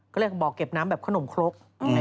ก็เรียกบ่อเก็บน้ำแบบขนมครก